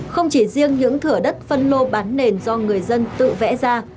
không chỉ riêng những thửa đất phân lô bán nền do người dân tự vẽ ra